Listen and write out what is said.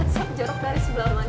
jorok dari sebelah mana